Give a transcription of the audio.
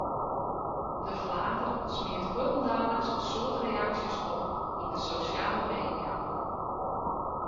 De flater smiet fuortendaliks in soad reaksjes op yn de sosjale media.